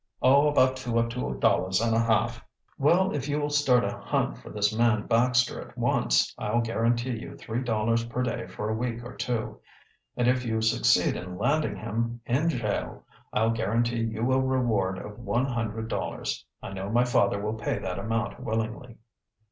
"Oh, about two or two dollars and a half." "Well if you will start a hunt for this man Baxter at once I'll guarantee you three dollars per day for a week or two, and if you succeed in landing him in jail I'll guarantee you a reward of one hundred dollars. I know my father will pay that amount willingly."